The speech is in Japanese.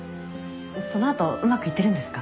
その後うまくいってるんですか？